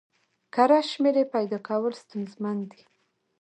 کره شمېرې پیدا کول ستونزمن دي.